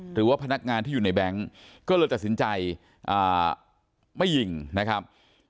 หรือว่าพนักงานที่อยู่ในแบงค์ก็เลยตัดสินใจไม่ยิงนะครับ